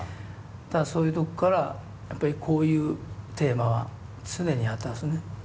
ただそういうとこからやっぱりこういうテーマは常にあったんですね。